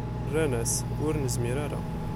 Rran-as: Ur nezmir ara.